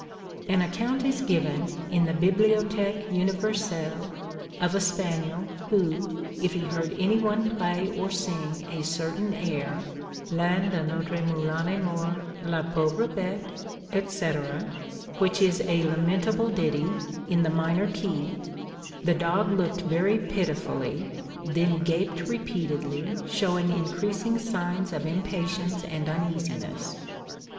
An account is given in the "Bibliothèque Universelle," of a spaniel, who, if he heard any one play or sing a certain air, "L'âne de notre moulin est mort, la pauvre bête," &c., which is a lamentable ditty, in the minor key, the dog looked very pitifully, then gaped repeatedly, showing increasing signs of impatience and uneasiness.